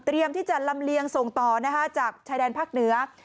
ที่จะลำเลียงส่งต่อจากชายแดนภาคเหนือ